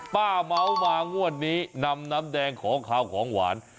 เมาส์มางวดนี้นำน้ำแดงของขาวของหวาน